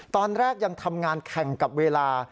ตอนแรกยังทำงานแข่งกับเวลา